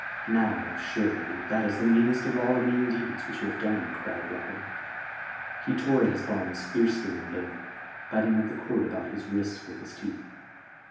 "Now, surely, that is the meanest of all the mean deeds which you have done!" cried Robin. He tore at his bonds fiercely and vainly biting at the cord about his wrists with his teeth.